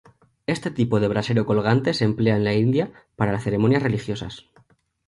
Este tipo de brasero colgante se emplea en la India para ceremonias religiosas.